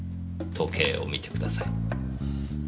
時計を見てください。